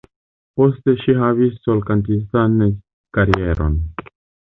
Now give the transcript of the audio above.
Poste ŝi havis solkantistan karieron.